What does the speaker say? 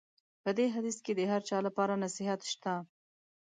په دې حدیث کې د هر چا لپاره نصیحت شته.